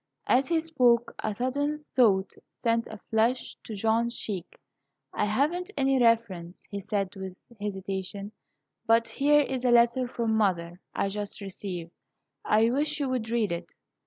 As he spoke, a sudden thought sent a flush to John's cheek. "I haven't any reference," he said, with hesitation; "but here is a letter from mother I just received. I wish you would read it."